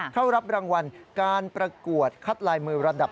เข้ารับรางวัลการประกวดคัดลายมือระดับ